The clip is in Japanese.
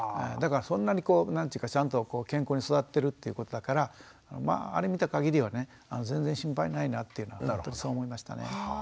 だからそんなにこう何ていうかちゃんと健康に育ってるってことだからあれ見た限りはね全然心配ないなってそう思いましたね。